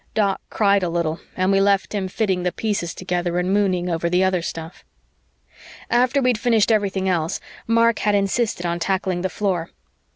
Doc cried a little and we left him fitting the pieces together and mooning over the other stuff. After we'd finished everything else, Mark had insisted on tackling the floor.